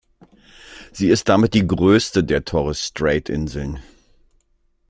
Sie ist damit die größte der Torres Strait-Inseln.